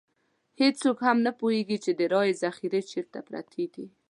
هېڅوک هم نه پوهېږي چې د رایو ذخیرې چېرته پرتې دي.